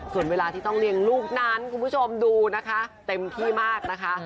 ส่วนเวลาที่ต้องเลี้ยงลูกนั้นคุณผู้ชมดูนะคะเต็มที่มากนะคะ